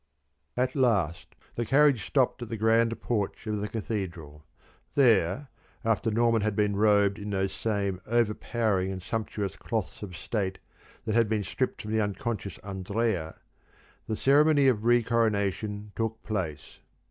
At last the carriage stopped at the grand porch of the Cathedral. There, after Norman had been robed in those same overpowering and sumptuous cloths of state that had been stripped from the unconscious Andrea, the ceremony of re coronation took place.